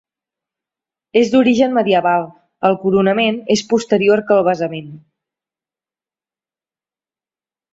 És d'origen medieval, el coronament és posterior que el basament.